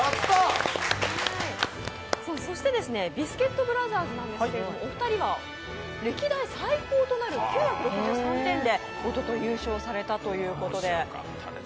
ビスケットブラザーズなんですけれども、お二人は歴代最高得点となる９６３点でおととい優勝されたと。